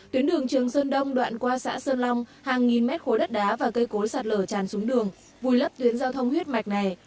tuyến đường trường sơn đông đoạn qua xã sơn long hàng nghìn mét khối đất đá và cây cối sạt lở tràn xuống đường vùi lấp tuyến giao thông huyết mạch này